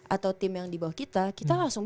atau tim yang di bawah kita kita langsung